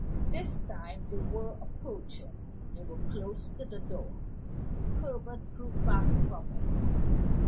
This time, they were approaching; they were close to the door. Herbert drew back from it.